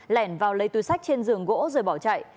lẻn vào lấy túi sách trên giường gỗ rồi bỏ chạy